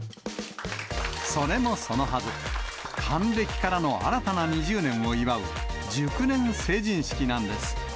それもそのはず、還暦からの新たな２０年を祝う、熟年成人式なんです。